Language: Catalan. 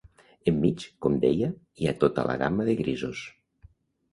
Enmig, com deia, hi ha tota la gamma de grisos.